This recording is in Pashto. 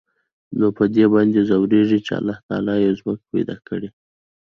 نو په دې باندې ځوريږي چې د الله تعال يوه ځمکه پېدا کړى.